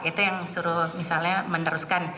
itu yang suruh misalnya meneruskan